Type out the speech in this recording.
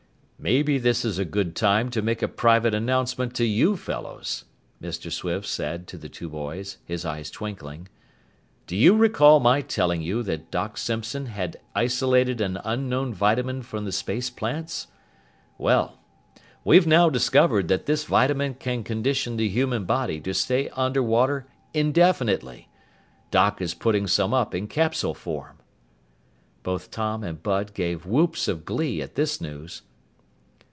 "Maybe this is a good time to make a private announcement to you fellows," Mr. Swift said to the two boys, his eyes twinkling. "Do you recall my telling you that Doc Simpson had isolated an unknown vitamin from the space plants? Well, we've now discovered that this vitamin can condition the human body to stay under water indefinitely. Doc is putting some up in capsule form." Both Tom and Bud gave whoops of glee at this news.